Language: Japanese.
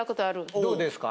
どうですか？